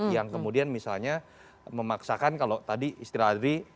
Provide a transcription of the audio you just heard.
yang kemudian misalnya memaksakan kalau tadi istri ladri